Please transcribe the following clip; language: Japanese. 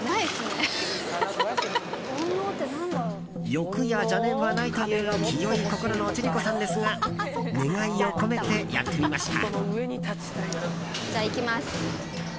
欲や邪念はないという清い心の千里子さんですが願いを込めて、やってみました。